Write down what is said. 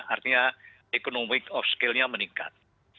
artinya economic of skill nya meningkat